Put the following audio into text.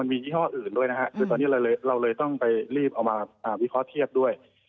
มียี่ห้ออื่นด้วยนะฮะคือตอนนี้เราเลยต้องไปรีบเอามาวิเคราะห์เทียบด้วย